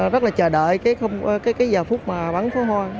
rất là chờ đợi cái giờ phút mà bắn pháo hoa